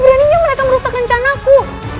beraninya mereka merusak rencana aku